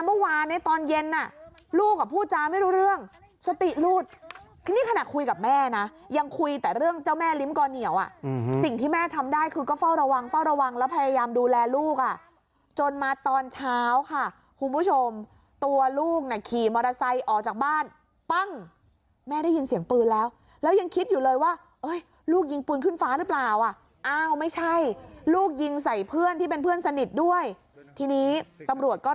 เมื่อวานในตอนเย็นน่ะลูกอ่ะพูดจ๋าไม่รู้เรื่องสติรูดนี่ขนาดคุยกับแม่นะยังคุยแต่เรื่องเจ้าแม่ลิ้มก่อนเหนียวอ่ะสิ่งที่แม่ทำได้คือก็เฝ้าระวังเฝ้าระวังแล้วพยายามดูแลลูกอ่ะจนมาตอนเช้าค่ะคุณผู้ชมตัวลูกน่ะขี่มอเตอร์ไซค์ออกจากบ้านปั้งแม่ได้ยินเสียงปืนแล้วแล้วยังคิดอยู่เลยว่